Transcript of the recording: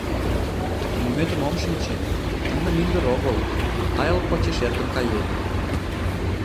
— Лӱметым ом шинче, ынде мӱндыр огыл, тайыл почеш эркын кает...